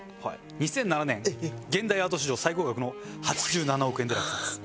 ２００７年現代アート史上最高額の８７億円で落札。